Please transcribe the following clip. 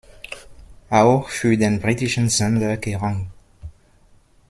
Auch für den britischen Sender Kerrang!